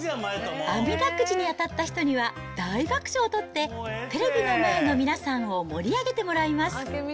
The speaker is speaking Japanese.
あみだくじに当たった人には、大爆笑を取って、テレビの前の皆さんを盛り上げてもらいます。